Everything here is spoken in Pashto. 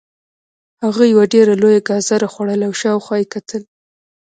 هغه یوه ډیره لویه ګازره خوړله او شاوخوا یې کتل